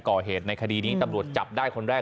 ก่อเหตุในคดีนี้ตำรวจจับได้คนแรก